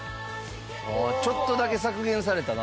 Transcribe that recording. ああちょっとだけ削減されたな。